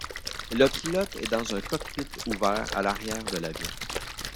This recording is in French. Le pilote est dans un cockpit ouvert à l'arrière de l'avion.